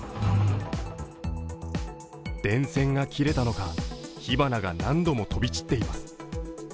電線が切れたのか、火花が何度も飛び散っています。